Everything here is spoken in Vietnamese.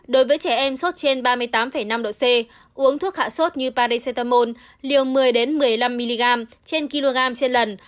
đối với trẻ em sốt trên ba mươi tám năm độ c uống thuốc hạ sốt như padel cetamon liều một mươi một mươi năm mg trên kg trên lần